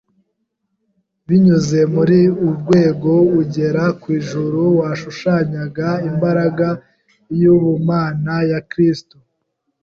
Binyuze muri urwego ugera ku ijuru washushanyaga imbaraga y’ubumana ya Kristo